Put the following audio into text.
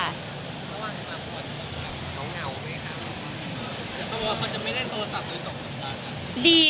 ทำไมเขาก็ไม่เล่นโทรสัตว์